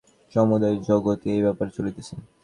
সমুদয় জগতেই এই ব্যাপার চলিতেছে।